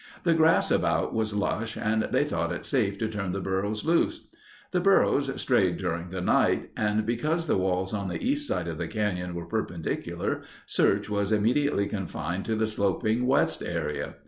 The grass about was lush and they thought it safe to turn the burros loose. The burros strayed during the night and because the walls on the east side of the canyon are perpendicular, search was immediately confined to the sloping west area.